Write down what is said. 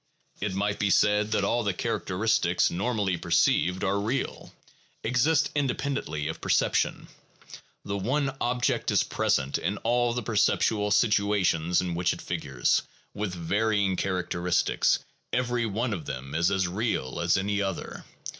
It might be said that all the char 432 THE PHILOSOPHICAL REVIEW. acteristics normally perceived are real, exist independently of perception; the one object is present in all the perceptual situ ations in which it figures, with varying characteristics; every one of them is as real as any other.